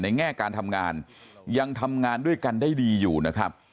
แง่การทำงานยังทำงานด้วยกันได้ดีอยู่นะครับ